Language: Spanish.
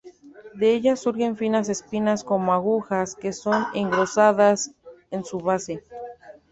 De ellas surgen finas espinas como agujas que son engrosadas en su base.